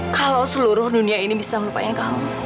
kalau seluruh dunia ini bisa melupakan kamu